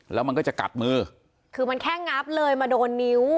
แล้วมันก็จะกัดมือคือมันแค่งับเลยมาโดนนิ้ว